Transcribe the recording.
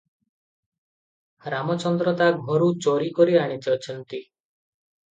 ରାମଚନ୍ଦ୍ର ତା ଘରୁ ଚୋରି କରି ଆଣିଛନ୍ତି ।